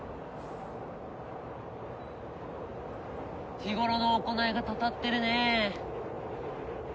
日頃の行いがたたってるねえ。